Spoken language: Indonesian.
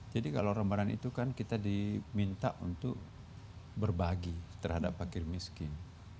jadi kalau ramadhan itu kan kita diminta untuk berbagi terhadap bagi miskin